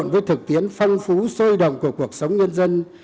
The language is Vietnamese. lăn lộn với thực tiễn phong phú sôi động của cuộc sống nhân dân